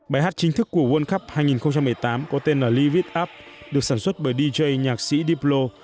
bài hát chính thức của world cup hai nghìn một mươi tám có tên là livid up được sản xuất bởi dj nhạc sĩ diplo